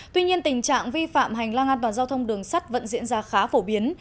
tuy nhiên tình trạng vi phạm hành lang an toàn giao thông đường sắt vẫn diễn ra khá phổ biến